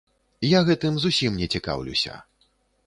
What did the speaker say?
Я гэтым зусім не цікаўлюся.